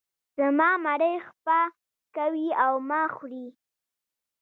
زما مرۍ خپه کوې او ما خورې.